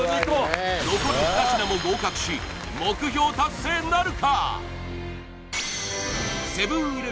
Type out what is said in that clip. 残る２品も合格し目標達成なるか！？